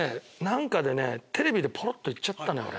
何かでねテレビでぽろっと言っちゃったのよ。